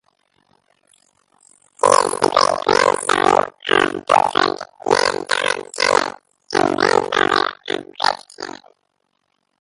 He is the great-grandson of Buford "Mad Dog" Tannen and grandfather of Griff Tannen.